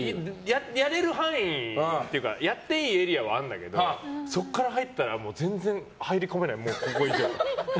やれる範囲っていうかやっていいエリアはあるんだけどそこから入ったら全然入りこめない。